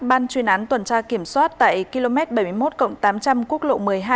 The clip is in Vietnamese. ban chuyên án tuần tra kiểm soát tại km bảy mươi một tám trăm linh quốc lộ một mươi hai